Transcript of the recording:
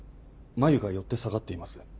眉が寄って下がっています